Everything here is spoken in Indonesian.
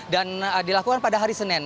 dan dilakukan pada hari senin